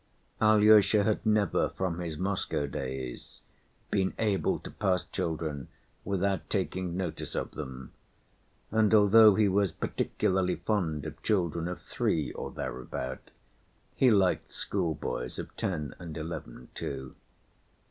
Alyosha had never from his Moscow days been able to pass children without taking notice of them, and although he was particularly fond of children of three or thereabout, he liked schoolboys of ten and eleven too.